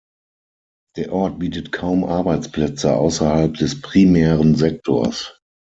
Der Ort bietet kaum Arbeitsplätze ausserhalb des primären Sektors.